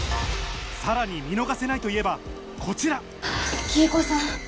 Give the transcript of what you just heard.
さらに見逃せないといえばこちら黄以子さん。